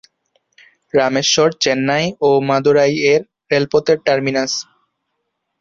রামেশ্বর চেন্নাই ও মাদুরাইয়ের রেলপথের টার্মিনাস।